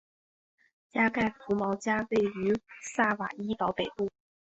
加盖福毛加位于萨瓦伊岛北部。